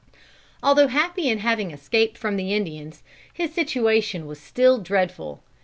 "Although happy in having escaped from the Indians, his situation was still dreadful.